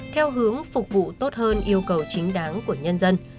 theo hướng phục vụ tốt hơn yêu cầu chính đáng của nhân dân